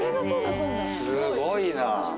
すごいな。